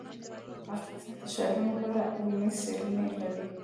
افغانستان د ښارونو په اړه علمي څېړنې لري.